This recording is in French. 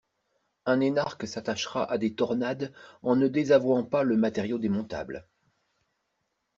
Un énarque s'attachera à des tornades en ne désavouant pas le matériau démontable!